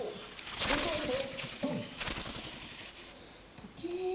ウルトライントロ。